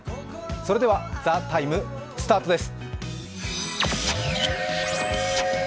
それでは「ＴＨＥＴＩＭＥ，」スタートです。